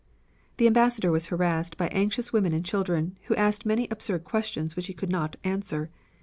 The Ambassador was harassed by anxious women and children who asked many absurd questions which he could not answer.